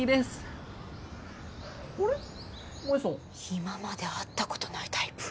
今まで会った事ないタイプ。